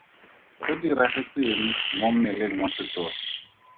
Go diragetse eng mo mmeleng wa setori?